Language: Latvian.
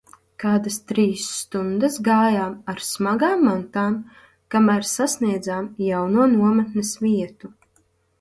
Kādas trīs stundas gājām, ar smagām mantām, kamēr sasniedzām jauno nometnes vietu.